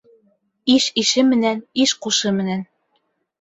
Иш ише менән, иш ҡушы менән.